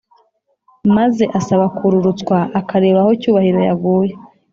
maze asaba kururutswa akareba aho cyubahiro Yaguye.